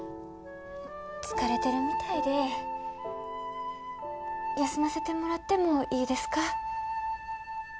疲れてるみたいで休ませてもらってもいいですか？